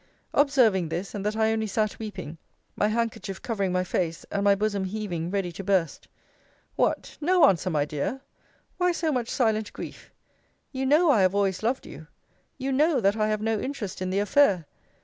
Observing this, and that I only sat weeping, my handkerchief covering my face, and my bosom heaving ready to burst; What! no answer, my dear? Why so much silent grief? You know I have always loved you. You know, that I have no interest in the affair.